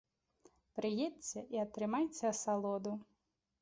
Прыедзьце і атрымайце асалоду!